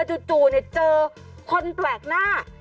จู่เจอคนแปลกหน้า